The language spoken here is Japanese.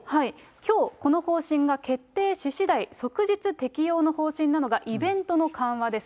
きょう、この方針が決定ししだい、即日適用の方針なのが、イベントの緩和です。